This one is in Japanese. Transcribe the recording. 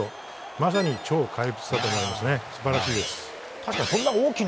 まさに超怪物だと思います。